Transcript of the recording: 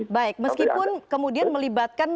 baik meskipun kemudian melibatkan